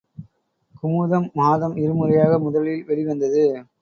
குமுதம் மாதம் இருமுறையாக முதலில் வெளிவந்தது.